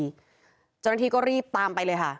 จงงั้นวันที่ก็รีบตามไปเลยค่ะ